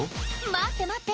待って待って。